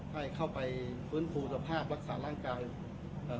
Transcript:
ให้เข้าไปฟื้นฟูสภาพรักษาร่างกายเอ่อ